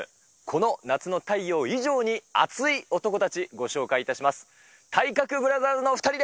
この夏の太陽以上に熱い男たち、ご紹介いたします。